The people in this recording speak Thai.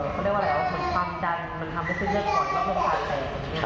เขาได้ว่าอะไรว่าเหมือนความจันมันทำให้ขึ้นเลือดปล่อยแล้วลงตาแบบนี้